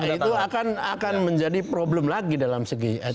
itu akan menjadi problem lagi dalam segi etik